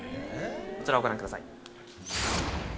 こちらをご覧ください。